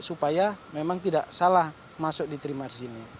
supaya memang tidak salah masuk di trimars ini